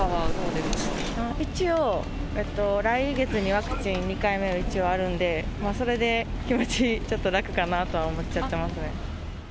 一応、来月にワクチン２回目打ち終わるんで、それで気持ち、ちょっと楽かなとは思っちゃってますね。